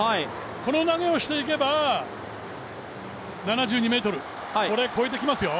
この投げをしていけば７２ｍ、これ越えてきますよ。